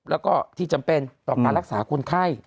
แล้วก็ที่จำเป็นต่อการรักษาคนไข้